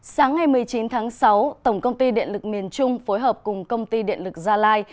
sáng ngày một mươi chín tháng sáu tổng công ty điện lực miền trung phối hợp cùng công ty điện lực gia lai